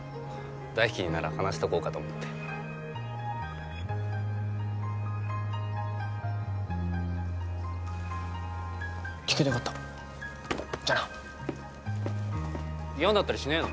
大輝になら話しとこうかと思って聞けてよかったじゃあな嫌になったりしねえの？